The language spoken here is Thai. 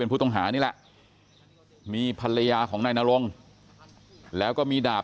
ผู้ต้องหานี่แหละมีภรรยาของนายนรงแล้วก็มีดาบ